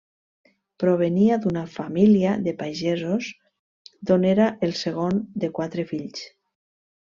Provenia d'una família de pagesos, d'on era el segon de quatre fills.